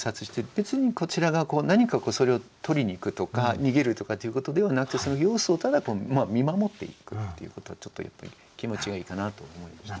別にこちらが何かそれを取りにいくとか逃げるとかっていうことではなくてその様子をただ見守っていくっていうことちょっと気持ちがいいかなと思いました。